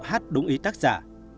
hát đúng ý tác giả